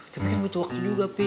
tapi kan butuh waktu juga sih